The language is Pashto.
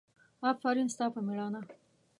افرین ستا پر مېړانه!